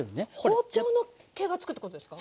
包丁の気がつくってことですか？